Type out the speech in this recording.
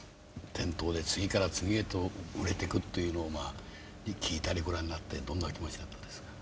店頭で次から次へと売れてくっていうのをまあ聞いたりご覧になってどんな気持ちだったですか？